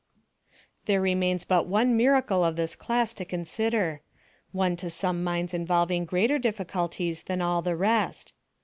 There remains but one miracle of this class to consider one to some minds involving greater difficulties than all the rest.